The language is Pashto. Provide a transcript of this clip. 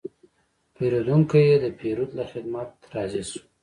پیرودونکی د پیرود له خدمت راضي شو.